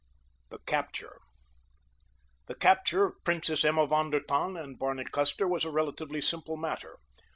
THE CAPTURE The capture of Princess Emma von der Tann and Barney Custer was a relatively simple matter.